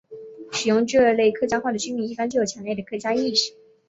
使用这类客家话的居民一般具有强烈的客家意识。